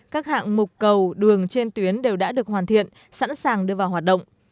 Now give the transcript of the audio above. các hạng mục cầu đường trên tuyến đều đã được hoàn thiện sẵn sàng đưa vào hoạt động